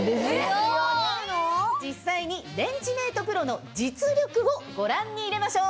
実際にレンジメートプロの実力をご覧に入れましょう！